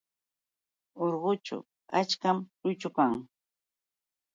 Urqućhu achkam lluychu kan.